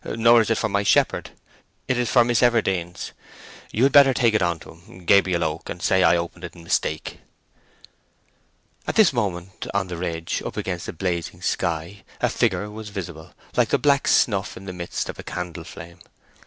Nor is it for my shepherd. It is for Miss Everdene's. You had better take it on to him—Gabriel Oak—and say I opened it in mistake." At this moment, on the ridge, up against the blazing sky, a figure was visible, like the black snuff in the midst of a candle flame.